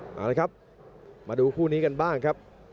เอาละครับมาดูคู่นี้กันบ้างครับ